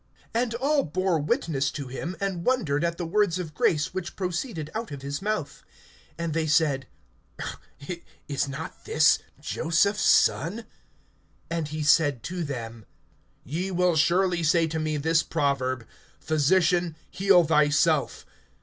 (22)And all bore witness to him, and wondered at the words of grace which proceeded out of his mouth. And they said: Is not this Joseph's son? (23)And he said to them: Ye will surely say to me this proverb, Physician, heal thyself.